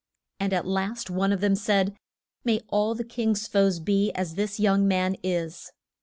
And at last one of them said, May all the king's foes be as this young man is.